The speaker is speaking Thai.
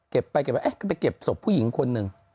เก็บไปก็ไปเก็บศพผู้หญิงคนหนึ่ง